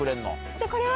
じゃあこれは。